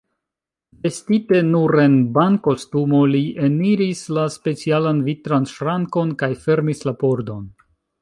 Vestite nur en bankostumo, li eniris la specialan vitran ŝrankon, kaj fermis la pordon.